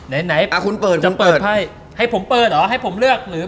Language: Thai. ไหนไหนคุณเปิดจะเปิดไพ่ให้ผมเปิดเหรอให้ผมเลือกหรือ